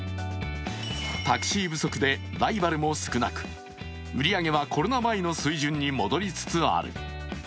タクシー不足でライバルも少なく、売り上げはコロナ前の水準に戻りつつある。